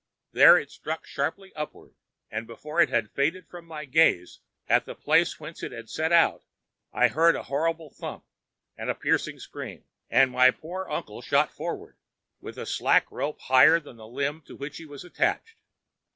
There it struck sharply upward, and before it had faded from my gaze at the place whence it had set out I heard a horrid thump and a piercing scream, and my poor uncle shot forward, with a slack rope higher than the limb to which he was attached.